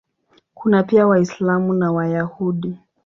Kuna pia Waislamu na Wayahudi.